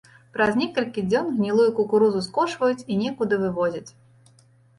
Праз некалькі дзён гнілую кукурузу скошваюць і некуды вывозяць.